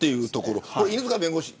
犬塚弁護士。